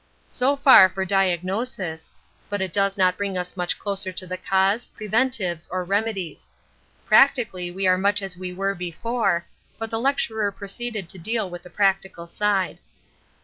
So far for diagnosis, but it does not bring us much closer to the cause, preventives, or remedies. Practically we are much as we were before, but the lecturer proceeded to deal with the practical side.